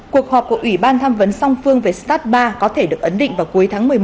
cuộc họp của ủy ban tham vấn song phương về stat ba có thể được ấn định vào cuối tháng một mươi một